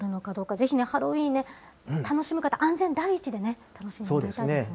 ぜひね、ハロウィーンね、楽しむ方、安全第一でね、楽しんでいただきたいですね。